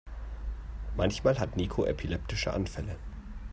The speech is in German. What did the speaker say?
Manchmal hat Niko epileptische Anfälle.